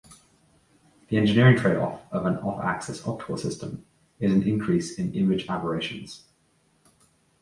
The engineering tradeoff of an off-axis optical system is an increase in image aberrations.